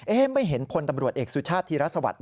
เอ๊ะไม่เห็นคนตำรวจเอกสุชาติธิระสวัสดิ์